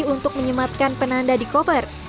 untuk menyematkan penanda di koper